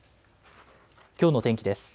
きょうの天気です。